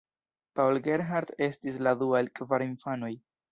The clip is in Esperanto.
Paul Gerhardt estis la dua el kvar infanoj.